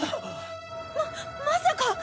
ままさか！？